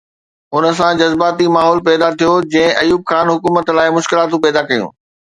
ان سان جذباتي ماحول پيدا ٿيو، جنهن ايوب خان حڪومت لاءِ مشڪلاتون پيدا ڪيون.